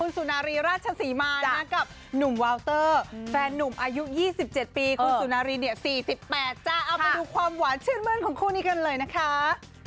สุนารี๔๘จ้ะเอาไปดูความหวานเชื่อดมื้อนของคู่นี้กันเลยนะคะ